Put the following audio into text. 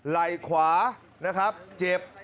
ไหล่ขวาเจ็บ